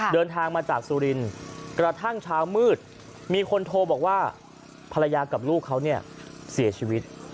เดินทางมาจากสุรินทร์กระทั่งเช้ามืดมีคนโทรบอกว่าภรรยากับลูกเขาเนี่ยเสียชีวิต